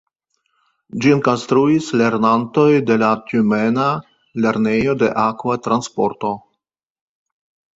Ĝin konstruis lernantoj de la Tjumena Lernejo de Akva Transporto.